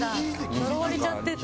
呪われちゃってと。